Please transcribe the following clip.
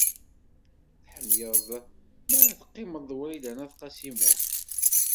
Tḥemmleḍ mi ara teqqimeḍ d Wrida n At Qasi Muḥ?